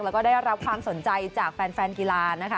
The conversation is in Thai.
แล้วก็ได้รับความสนใจจากแฟนกีฬานะคะ